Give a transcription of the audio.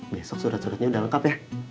besok surat suratnya sudah lengkap ya